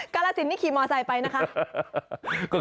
กละศิลป์นี่ขี่มอเช้าไปก่อนนะ